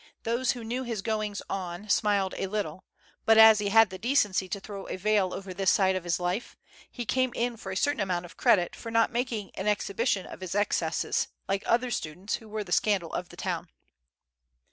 Those who knew his goings on smiled a little, but, as he had the decency to throw a veil over this side of his life, he came in for a certain amount of credit for not making an exhibition of his excesses, like other students who were the scandal of the town.